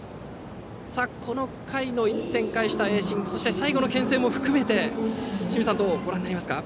この回、１点返した盈進そして最後のけん制も含めて清水さん、どうご覧になりますか。